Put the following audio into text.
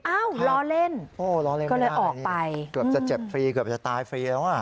ล้อเล่นโอ้ล้อเล่นก็เลยออกไปเกือบจะเจ็บฟรีเกือบจะตายฟรีแล้วอ่ะ